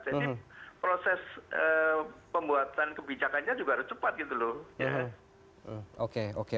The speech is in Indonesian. jadi proses pembuatan kebijakannya juga harus cepat gitu loh